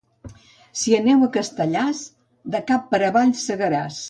Si aneu a Castellars, de cap per avall segaràs.